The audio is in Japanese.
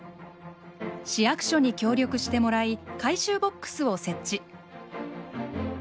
市役所に協力してもらい回収ボックスを設置。